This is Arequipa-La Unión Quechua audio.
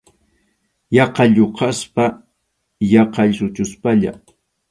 Yaqa lluqaspa, yaqa suchuspalla.